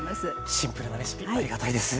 シンプルなレシピありがたいです。